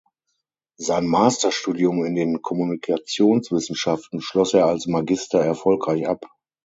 Sein Masterstudium in den Kommunikationswissenschaften schloss er als Magister erfolgreich ab.